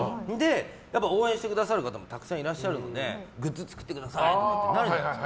やっぱり応援してくださる方もたくさんいらっしゃるのでグッズ作ってくださいとかなるじゃないですか。